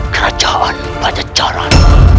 kerajaan pada jalan